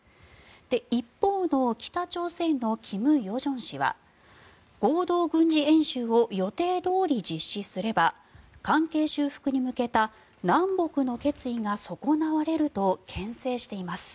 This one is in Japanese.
一方の北朝鮮の金与正氏は合同軍事演習を予定どおり実施すれば関係修復に向けた南北の決意が損なわれるとけん制しています。